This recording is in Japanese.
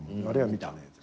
あれは見たね。